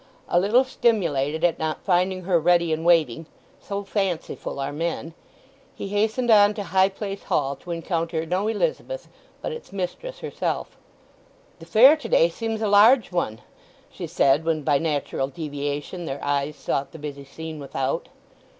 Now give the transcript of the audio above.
A little stimulated at not finding her ready and waiting—so fanciful are men!—he hastened on to High Place Hall to encounter no Elizabeth but its mistress herself. "The fair to day seems a large one," she said when, by natural deviation, their eyes sought the busy scene without.